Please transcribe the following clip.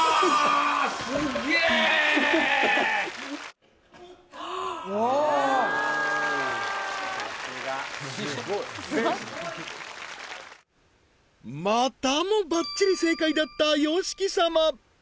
すげえおおーまたもバッチリ正解だったＹＯＳＨＩＫＩ様